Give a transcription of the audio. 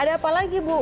ada apa lagi bu